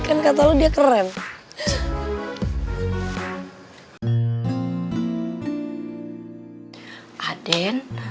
kan kata lo dia keren